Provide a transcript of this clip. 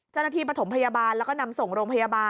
เจ้าหน้าที่ปฐมพยาบาลแล้วก็นำส่งโรงพยาบาล